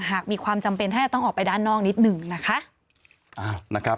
หากมีความจำเป็นถ้าจะต้องออกไปด้านนอกนิดหนึ่งนะคะ